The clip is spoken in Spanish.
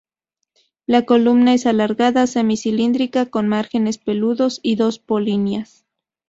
La columna es alargada, semi cilíndrica con márgenes peludos y dos polinias.